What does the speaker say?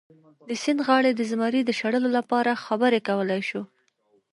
د سیند غاړې د زمري د شړلو لپاره خبرې کولی شو.